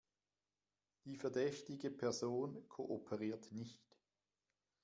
Die verdächtige Person kooperiert nicht.